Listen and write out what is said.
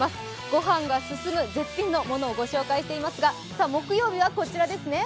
ご飯が進む絶品のものをご紹介していますが木曜日はこちらですね。